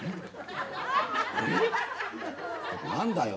何だよ